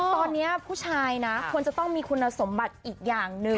ตอนนี้ผู้ชายนะควรจะต้องมีคุณสมบัติอีกอย่างหนึ่ง